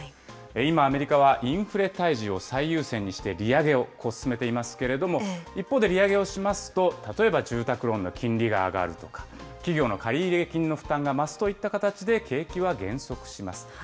今、アメリカはインフレ退治を最優先にして、利上げを進めていますけれども、一方で利上げをしますと、例えば住宅ローンの金利が上がるとか、企業の借入金の負担が増すといった形で景気は減速します。